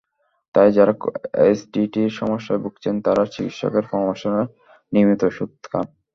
তাই যাঁরা এসিডিটির সমস্যায় ভুগছেন, তাঁরা চিকিৎসকের পরামর্শে নিয়মিত ওষুধ খান।